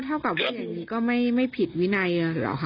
เท่ากับวินัยก็ไม่ผิดวินัยหรือหรือคะ